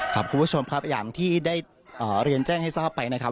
คุณผู้ชมครับอย่างที่ได้เรียนแจ้งให้ทราบไปนะครับ